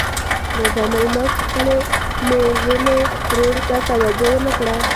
نظام الملک خپل میرني ورور ته توجه ونه کړه.